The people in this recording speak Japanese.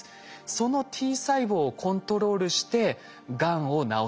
そのＴ細胞をコントロールしてがんを治していく。